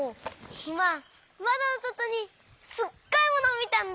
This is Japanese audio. いままどのそとにすっごいものをみたんだ！